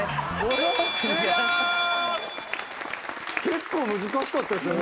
結構難しかったですよ。